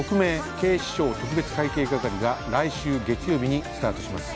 警視庁特別会計係」が来週月曜日にスタートします。